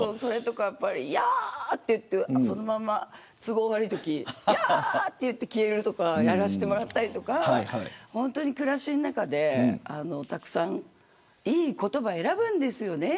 ヤーッと言ってそのまんま、都合悪いときヤーッて言って消えるとかやらせてもらったりとか本当に暮らしの中でいい言葉、選ぶんですよね。